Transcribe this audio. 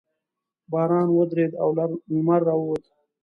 باران ودرېد او لمر راووت.